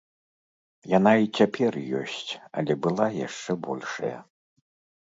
Яна і цяпер ёсць, але была яшчэ большая.